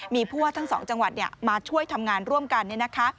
มีพวกทั้งสองจังหวัดมาช่วยทำงานร่วมกัน